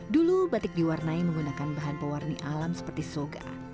dulu batik diwarnai menggunakan bahan pewarna alam seperti soga